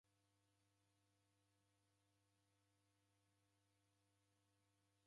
Kuseliw'e kujiandikishira kukaba kura